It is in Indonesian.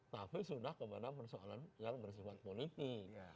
tapi sudah kepada persoalan yang bersifat politik